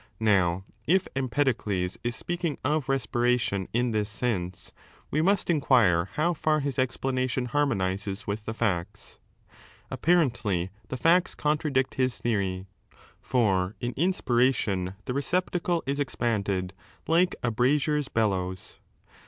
Now, if Empedocles is speaking of respira tion in this sense, we must inquire how far his explanation harmonizes with the facts. Apparently the facts con tradict his theory. For in inspiration the receptacle is 7 expanded like a brazier's bellows.